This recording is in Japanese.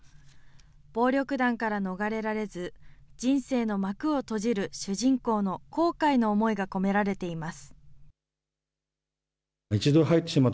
暴力団から逃れられず、人生の幕を閉じる主人公の後悔の思いが込められています。